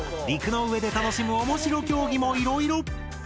陸の上で楽しむおもしろ競技もいろいろ！